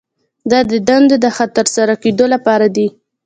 دا د دندو د ښه ترسره کیدو لپاره دي.